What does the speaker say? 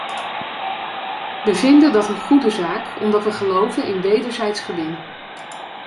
Wij vinden dat een goede zaak omdat wij geloven in wederzijds gewin.